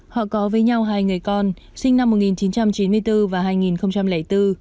họ có với nhau hai người con sinh năm một nghìn chín trăm chín mươi bốn và hai nghìn bốn